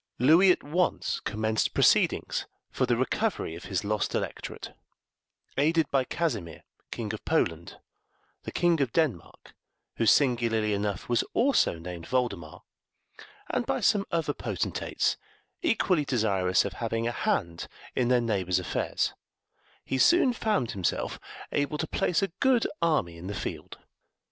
Louis at once commenced proceedings for the recovery of his lost electorate; aided by Casimir, King of Poland, the King of Denmark, who singularly enough was also named Voldemar, and by some other potentates equally desirous of having a hand in their neighbour's affairs, he soon found himself able to place a good army in the field.